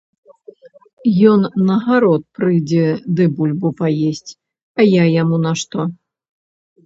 Ён на гарод прыйдзе ды бульбу паесць, а я яму на што?